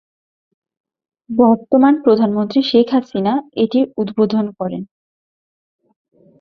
বর্তমান প্রধানমন্ত্রী শেখ হাসিনা এটির উদ্বোধন করেন।